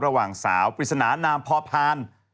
ระหว่างสาวปริศนานามพอพาน